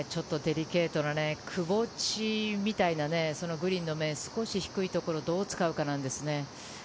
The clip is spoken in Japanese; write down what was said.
ここ、ちょっとデリケートな窪地みたいなグリーンの面、少し低いところをどう使うかなんですよね。